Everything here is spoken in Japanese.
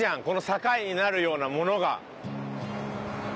この境になるようなものが。